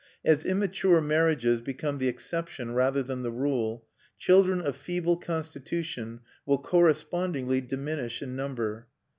As immature marriages become the exception rather than the rule, children of feeble constitution will correspondingly diminish in number.